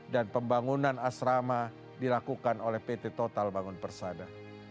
dan pembangunan asrama dilakukan oleh pt total bangun persada